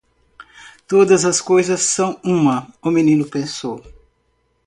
Todas as coisas são uma? o menino pensou.